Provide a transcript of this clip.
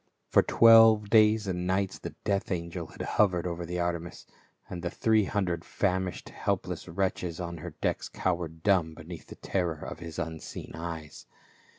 For twelve days and nights the death angel had hov ered over the Artemis, and the three hundred famish ing helpless wretches on her decks cowered dumb beneath the terror of his unseen eyes.